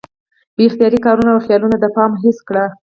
بې اختياره کارونه او خيالونه د پامه هېڅ کړي